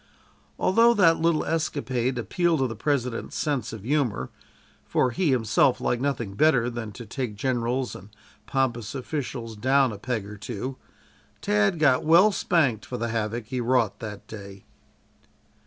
Although that little escapade appealed to the President's sense of humor, for he himself liked nothing better than to take generals and pompous officials down "a peg or two," Tad got well spanked for the havoc he wrought that day.